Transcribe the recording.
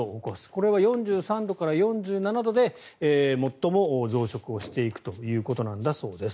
これは４３度から４７度で最も増殖をしていくということなんだそうです。